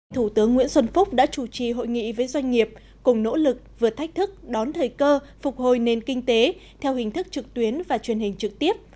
thủ tướng nguyễn xuân phúc đã chủ trì hội nghị với doanh nghiệp cùng nỗ lực vượt thách thức đón thời cơ phục hồi nền kinh tế theo hình thức trực tuyến và truyền hình trực tiếp